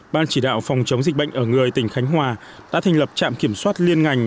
ban chỉ đạo phòng chống dịch bệnh ở người tỉnh khánh hòa đã thành lập trạm kiểm soát liên ngành